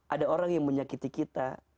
ada orang yang menyakiti kita